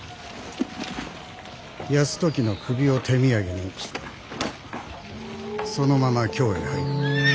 泰時の首を手土産にそのまま京へ入る。